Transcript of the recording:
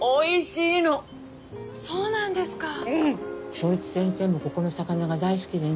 正一先生もここの魚が大好きでね。